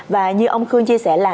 và như ông khương chia sẻ là